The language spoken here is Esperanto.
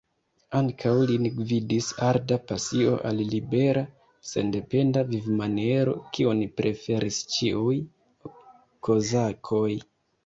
Ankaŭ lin gvidis arda pasio al libera, sendependa vivmaniero, kiun preferis ĉiuj kozakoj.